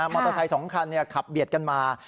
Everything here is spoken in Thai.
มอเตอร์ไทย๒คันขับเบียดกันมา